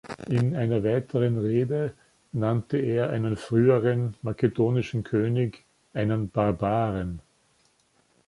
In einer weiteren Rede nannte er einen früheren makedonischen König einen Barbaren.